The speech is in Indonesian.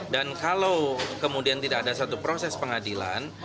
dan kalau kemudian tidak ada satu proses pengadilan